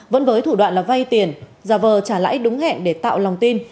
vẫn với thủ đoạn là vay tiền giả vờ trả lãi đúng hẹn để tạo lòng tin